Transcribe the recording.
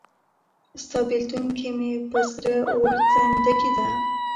ستا بیلتون کې مې په سره اور زندګي ده